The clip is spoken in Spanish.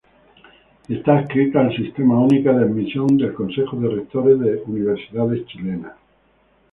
Está adscrita al Sistema Único de Admisión del Consejo de Rectores de Universidades Chilenas.